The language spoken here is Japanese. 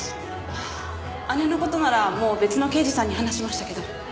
ああ姉の事ならもう別の刑事さんに話しましたけど。